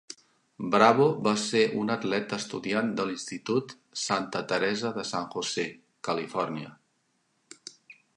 Bravo va ser un atleta estudiant de l'institut Santa Teresa de San José (Califòrnia).